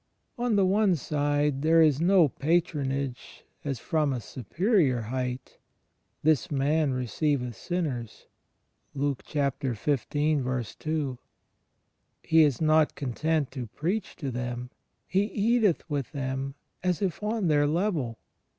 On the one side there is no patronage as from a superior height — "This man receiveth sinners."* He is not content to preach to them: He "eateth with them" as if on their level.